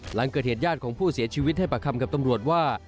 หลังเกิดเหตุญาติของผู้เสียชีวิตให้ปากคำกับตำรวจว่า